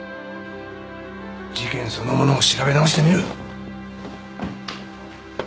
事件そのものを調べ直してみる。